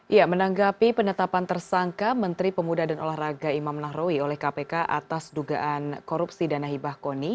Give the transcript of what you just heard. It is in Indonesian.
ya menanggapi penetapan tersangka menteri pemuda dan olahraga imam nahrawi oleh kpk atas dugaan korupsi dana hibah koni